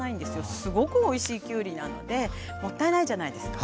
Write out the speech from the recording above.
すごくおいしいきゅうりなのでもったいないじゃないですか。